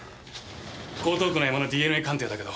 江東区のヤマのＤＮＡ鑑定だけど。